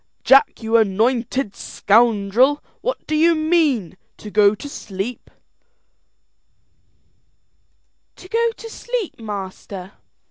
"Jack, you anointed scoundrel, what do you mean?" "To go to sleep, master.